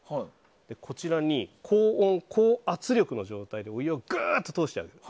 こちらに高温、高圧力の状態でお湯をぐーっと通してやる。